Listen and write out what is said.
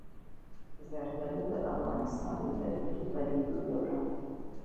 زردالو د افغانستان د طبیعي پدیدو یو رنګ دی.